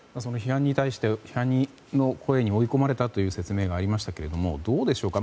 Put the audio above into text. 批判の声に追い込まれたという説明がありましたがどうでしょうか。